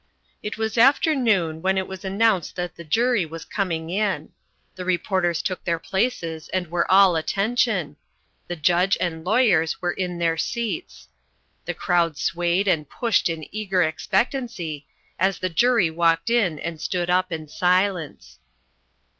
It was afternoon when it was announced that the jury was coming in. The reporters took their places and were all attention; the judge and lawyers were in their seats; the crowd swayed and pushed in eager expectancy, as the jury walked in and stood up in silence.